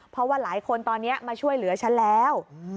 เพราะว่าหลายคนตอนนี้มาช่วยเหลือฉันแล้ว